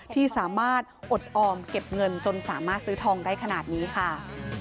ที่สามารถอดออมเก็บเงินจนสามารถซื้อทองได้ขนาดนี้ค่ะ